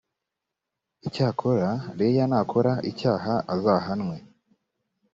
icyakora leah nakora icyaha azahanwe